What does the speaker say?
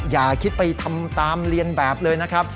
อย่าคิดไปทำตามเรียนแบบเลยนะครับ